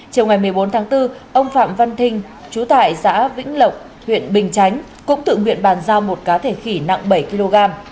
chiều ngày một mươi bốn tháng bốn ông phạm văn thinh trú tại xã vĩnh lộc huyện bình chánh cũng tự nguyện bàn giao một cá thể khỉ nặng bảy kg